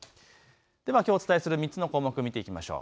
ではきょうお伝えする３つの項目見ていきましょう。